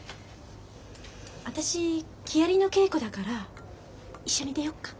私木遣りの稽古だから一緒に出よっか。